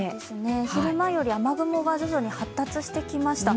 昼間よりも雨雲が徐々に発達してきました。